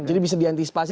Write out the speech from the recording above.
jadi bisa diantisipasi